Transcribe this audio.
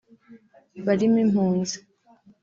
barimo impunzi